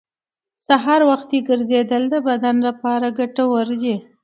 سهار وختي ګرځېدل د بدن لپاره ګټور دي